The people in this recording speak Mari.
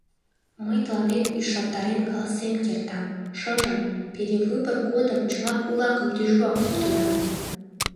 Мый тыланет ӱшандарен каласен кертам: шыжым, перевыбор годым, чыла кулакым тӱжвак луктына.